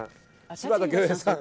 柴田恭兵さん